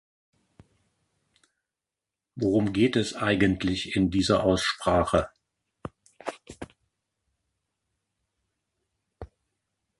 Worum geht es eigentlich in dieser Aussprache?